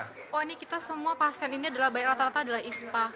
oh ini kita semua pasien ini adalah baik rata rata adalah ispa